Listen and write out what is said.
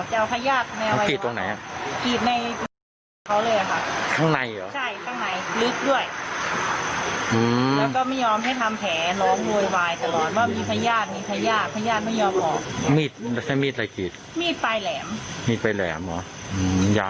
แหลมหรอยาวไหมเราเห็นมีดอะไรไหมมีดปอกผลไม้